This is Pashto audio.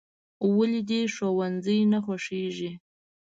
"ولې دې ښوونځی نه خوښېږي؟"